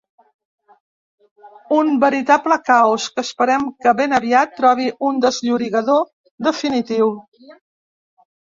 Un veritable caos que esperem que ben aviat trobi un desllorigador definitiu.